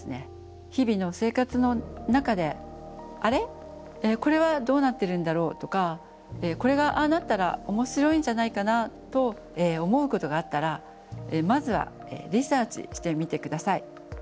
日々の生活の中で「あれ？これはどうなってるんだろう」とか「これがああなったらおもしろいんじゃないかな」と思うことがあったらまずはリサーチしてみて下さい。